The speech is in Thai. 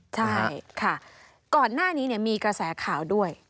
ใช่ค่ะก่อนหน้านี้มีกระแสข่าวด้วย